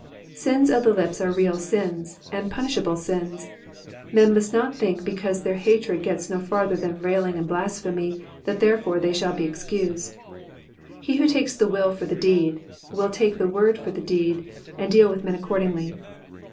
^Sins of the lips are real sins, and punishable sins. Men must not think because their hatred gets no further than railing and blasphemy that therefore they shall be excused. He who takes the will for the deed, will take the word for the deed and deal with men accordingly.